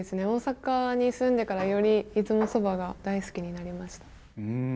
大阪に住んでからより出雲そばが大好きになりました。